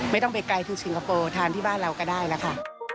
ไม่ต้องไปไกลคือสิงคโปร์ทานที่บ้านเราก็ได้แล้วค่ะ